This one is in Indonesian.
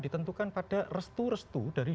ditentukan pada restu restu dari